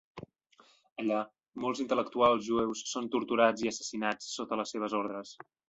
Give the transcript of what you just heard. Allà, molts intel·lectuals jueus són torturats i assassinats sota les seves ordres.